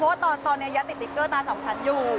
เพราะตอนยัยติดดิก้เกอร์ตาสองชั้นอยู่